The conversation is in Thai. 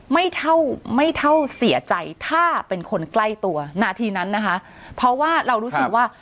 ไม่เท่าไม่เท่าเสียใจถ้าเป็นคนใกล้ตัวนาทีนั้นนะคะเพราะว่าเรารู้สึกว่า